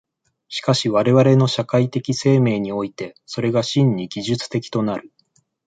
しかし我々の社会的生命において、それが真に技術的となる。